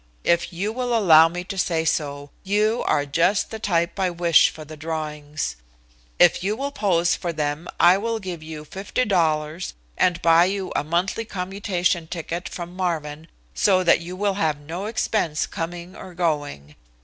If you will allow me to say so, you are just the type I wish for the drawings. If you will pose for them I will give you $50 and buy you a monthly commutation ticket from Marvin, so that you will have no expense coming or going.